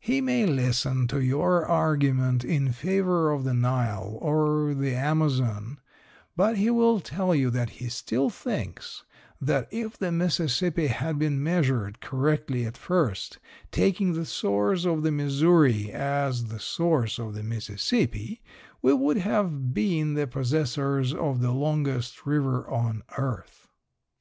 He may listen to your argument in favor of the Nile or the Amazon, but he will tell you that he still thinks that if the Mississippi had been measured correctly at first, taking the source of the Missouri as the source of the Mississippi, we would have been the possessors of the longest river on earth.